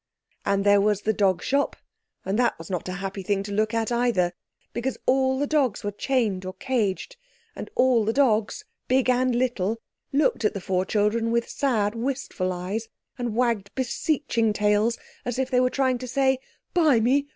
And there was the dog shop, and that was not a happy thing to look at either, because all the dogs were chained or caged, and all the dogs, big and little, looked at the four children with sad wistful eyes and wagged beseeching tails as if they were trying to say, "Buy me!